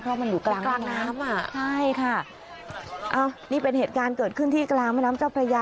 เพราะมันอยู่กลางกลางน้ำอ่ะใช่ค่ะอ้าวนี่เป็นเหตุการณ์เกิดขึ้นที่กลางแม่น้ำเจ้าพระยา